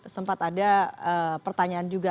sempat ada pertanyaan juga